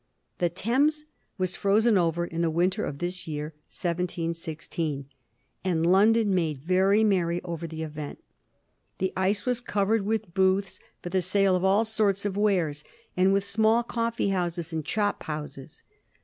The Thames was frozen over in the winter of this year, 1716, and London made very merry over the event. The ice was covered with booths for the sale of all sorts of wares, and with small coffee houses and chop houses.